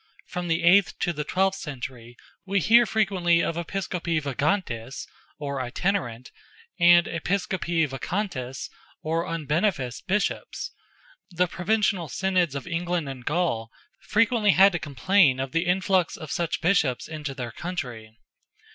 From the eighth to the twelfth century we hear frequently of Episcopi Vagantes, or itinerant, and Episcopi Vacantes, or unbeneficed Bishops; the Provincial Synods of England and Gaul frequently had to complain of the influx of such Bishops into their country.